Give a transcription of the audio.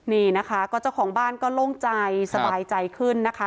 นี่นะคะก็เจ้าของบ้านก็โล่งใจสบายใจขึ้นนะคะ